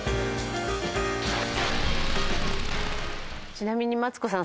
ちなみにマツコさん